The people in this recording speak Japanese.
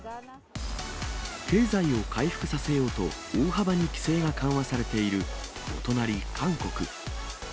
経済を回復させようと、大幅に規制が緩和されているお隣、韓国。